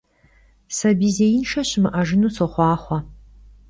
Sabiy zêinşşe şımı'ejjınu soxhuaxhue!